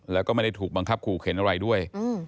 แล้วก็ไม่ได้ถูกบังคับขู่เข็นอะไรด้วย